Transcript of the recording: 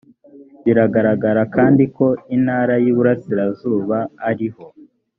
biragaragara kandi ko intara y iburasirazuba ariho